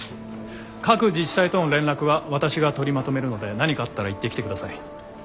各自治体との連絡は私が取りまとめるので何かあったら言ってきてください。